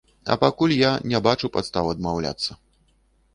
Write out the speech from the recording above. А пакуль я не бачу падстаў адмаўляцца.